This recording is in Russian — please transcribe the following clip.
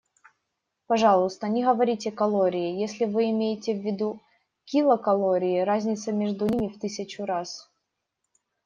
Пожалуйста, не говорите «калории», если вы имеете в виду «килокалории», разница между ними в тысячу раз.